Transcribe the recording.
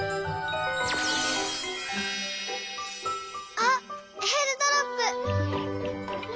あっえーるドロップ！